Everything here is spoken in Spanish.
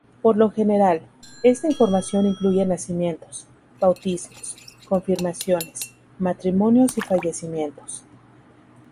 Por lo general, esta información incluye nacimientos, bautismos, confirmaciones, matrimonios y fallecimientos.